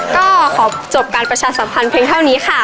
ก็ขอจบการประชาสัมพันธ์เพียงเท่านี้ค่ะ